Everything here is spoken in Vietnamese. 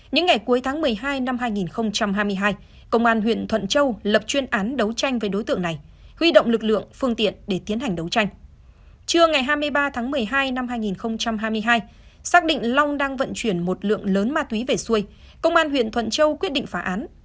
ngày hai mươi ba tháng một mươi hai năm hai nghìn hai mươi hai xác định long đang vận chuyển một lượng lớn ma túy về xuôi công an huyện thuận châu quyết định phá án